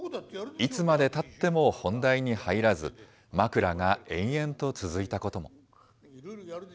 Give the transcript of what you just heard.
いつまでたっても本題に入らず、まくらが延々と続いたことも。